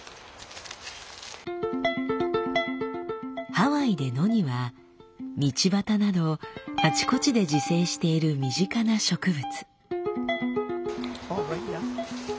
ハワイでノニは道端などあちこちで自生している身近な植物。